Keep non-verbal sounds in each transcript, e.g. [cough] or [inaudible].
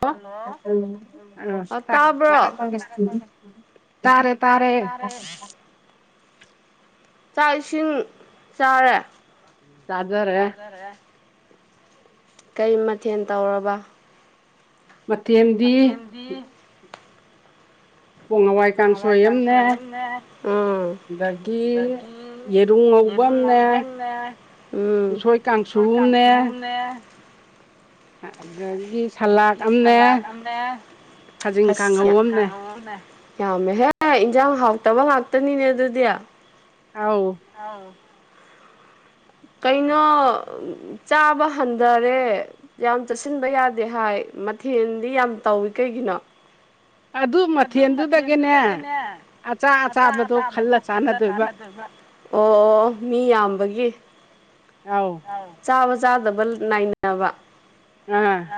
ꯇ ꯑ ꯇꯥꯕ꯭ꯔꯣ ꯇꯪꯒꯦ ꯇꯥꯔꯦ ꯇꯥꯔꯦ ꯆꯥꯛ ꯏꯁꯤꯡ ꯆꯥꯔꯦ ꯆꯔꯦ ꯈꯔꯦ ꯀꯩ ꯃꯊꯦꯜ ꯇꯧꯔꯕ ꯃꯊꯦꯜꯗꯤ ꯃꯊꯦꯝꯕꯤ ꯄꯣꯡ ꯑꯋꯥꯏ ꯀꯥꯡꯁꯣꯏ ꯑꯃꯅꯦ ꯎꯝ ꯑꯗꯒꯤ ꯌꯦꯔꯨꯝ ꯉꯧꯕꯝꯅꯦ ꯎꯝ ꯎꯁꯣꯏ ꯀꯥꯡꯁꯨꯑꯝꯅꯦ ꯑꯗꯒꯤ ꯁꯂꯥꯛ ꯗꯒꯤ ꯑꯃꯅꯦ ꯁꯂꯥꯠ ꯑꯝꯅ‌ꯦ ꯈꯥꯖꯤꯡ ꯑꯁ ꯌꯥ ꯀꯥꯡꯍꯧ ꯈꯖꯤꯡ ꯑꯃꯅꯦ ꯀꯥꯡꯉꯧ ꯑꯝꯅꯦ ꯌꯥꯝꯃꯦꯍꯦ ꯑꯥꯏ ꯏꯟꯖꯥꯡ ꯍꯥꯎꯇꯕ ꯉꯥꯛꯇꯅꯤꯅꯦ ꯑꯗꯨꯗꯤ ꯑꯥꯎ ꯑꯥꯎ ꯀꯩꯅꯣ ꯎꯝ ꯆꯥꯕ ꯍꯟꯗꯔꯦ ꯌꯥꯝ ꯆꯠꯁꯤꯟꯕ ꯌꯥꯗꯦ ꯍꯥꯏ ꯃꯊꯦꯜꯗꯤ ꯌꯥꯝ ꯇꯧꯏ ꯀꯩꯒꯤꯅꯣ ꯑꯗꯨ ꯃꯊꯦꯟꯗꯨꯗꯒꯤꯅꯦ ꯑꯆꯥ ꯑꯇꯥꯥꯕꯗꯣ ꯈꯜꯂ ꯆꯥꯟꯅꯗꯣꯏꯕ ꯇꯥꯟꯅꯗꫭꯏꯕ ꯑꯣ ꯑꯣ ꯃꯤ ꯌꯥꯝꯕꯒꯤ ꯑꯥꯎ ꯆꯥꯕ ꯆꯥꯗꯕ ꯅꯥꯏꯅꯕ ꯑ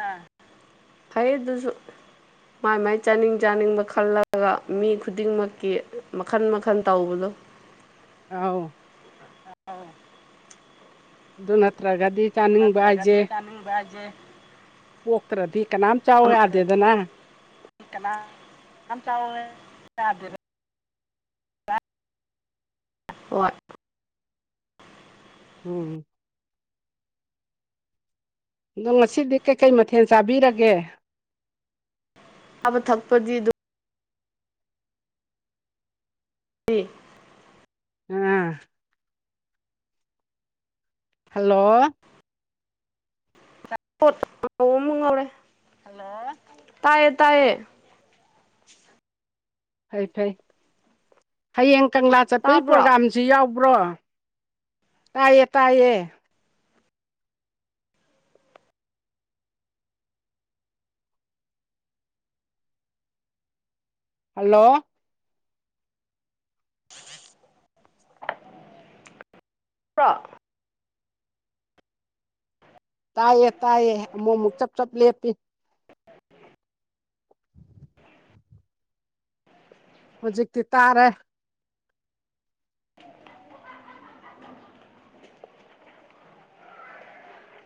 ꯐꯩꯗꯨꯁꯨꯨ ꯃꯥꯏ ꯃꯥꯏ ꯆꯥꯅꯤꯡ ꯆꯥꯅꯤꯡꯕ ꯈꯜꯂꯒ ꯃꯤ ꯈꯨꯗꯤꯡꯃꯛꯀꯤ ꯃꯈꯟ ꯃꯈꯟ ꯇꯧꯕꯗꯣ ꯑꯥꯎ [unintelligible] ꯑꯗꯨ ꯅꯠꯇ꯭ꯔꯒꯗꯤ ꯗꯨ ꯆꯥꯅꯤꯡꯕ ꯍꯥꯏꯁꯦ ꯅꯠꯇ꯭ꯔꯒꯗꯤ ꯇꯥꯅꯤꯡꯕꯥꯏꯖꯦ ꯄꯣꯛꯇ꯭ꯔꯗꯤ ꯀꯅꯥꯝ ꯆꯥꯎ ꯌꯥꯗꯦꯗꯅ ꯀꯅꯥ ꯑꯝ ꯆꯥꯎꯋꯦ [unintelligible] ꯗ ꯍꫭꯏ ꯍꯨꯝ ꯗꯣ ꯉꯁꯤꯗꯤ ꯀꯩꯀꯩ ꯃꯊꯦꯜ ꯆꯥꯕꯤꯔꯒꯦ ꯆꯥꯕ ꯊꯛꯄꯗꯤ ꯑꯗꯨꯝ [unintelligible] ꯑ [unintelligible] ꯍꯜꯂꯣ ꯄꯣꯠ [unintelligible] ꯑꯃ ꯉꯧꯔꯦ ꯇꯥꯏꯌꯦ ꯇꯥꯏꯌꯦ ꯐꯩ ꯐꯩ ꯍꯌꯦꯡ ꯀꯪꯂꯥ ꯆꯠꯄꯩ ꯇꯥꯕ꯭ꯔꯣ ꯄ꯭ꯔꯣꯒꯥꯝ ꯖꯤ ꯌꯥꯎꯕ꯭ꯔꯣ ꯇꯥꯏꯌꯦ ꯇꯥꯏꯌꯦ ꯍꯜꯂꯣ ꯕ꯭ꯔꫭ ꯇꯥꯏꯌꯦ ꯇꯥꯏꯌꯦ ꯑꯃꯨꯛ ꯑꯃꯨꯛ ꯆꯞ ꯆꯞ ꯂꯦꯞꯄꯤ ꯍꯨꯖꯤꯛꯇꯤ ꯇꯥꯔꯦ [inaudible]